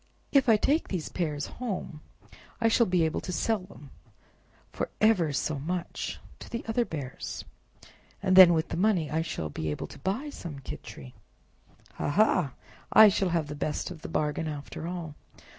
"If I take these pears home I shall be able to sell them for ever so much to the other bears, and then with the money I shall be able to buy some Khichri. Ha, ha! I shall have the best of the bargain after all!"